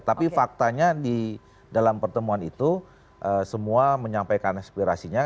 tapi faktanya di dalam pertemuan itu semua menyampaikan aspirasinya